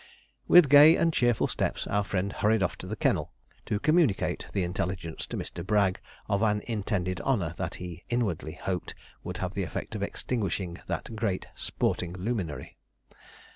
With gay and cheerful steps our friend hurried off to the kennel, to communicate the intelligence to Mr. Bragg of an intended honour that he inwardly hoped would have the effect of extinguishing that great sporting luminary.